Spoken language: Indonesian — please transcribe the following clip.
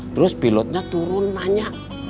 terus pilotnya turun nanya